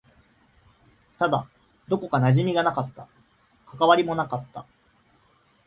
ただ、どこか馴染みがなかった。関わりもなかった。